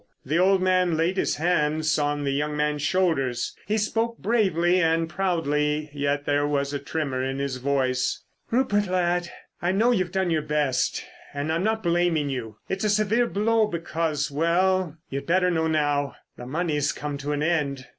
The old man laid his hands on the young man's shoulders. He spoke bravely and proudly, yet there was a tremor in his voice: "Rupert, lad, I know you've done your best, and I'm not blaming you. It's a severe blow because—well, you'd better know now—the money's come to an end!